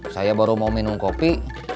saya baru mau minum kopi